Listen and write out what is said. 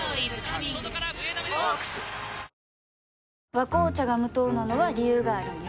「和紅茶」が無糖なのは、理由があるんよ。